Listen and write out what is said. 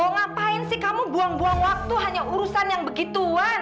mau ngapain sih kamu buang buang waktu hanya urusan yang begituan